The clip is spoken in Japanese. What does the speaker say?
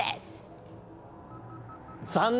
残念！